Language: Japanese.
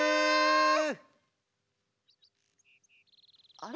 あれ？